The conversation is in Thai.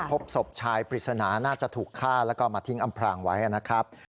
พบศพชายปริศนาน่าจะถูกฆ่าแล้วก็มาทิ้งอำพรางไว้นะครับ